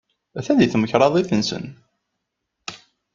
Atan deg temkarḍit-nnes.